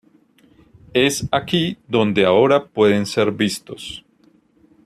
Es aquí donde ahora pueden ser vistos.